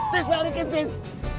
tis balikin tis